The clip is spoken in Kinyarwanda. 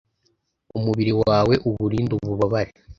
umubiri wawe uwurinde ububabare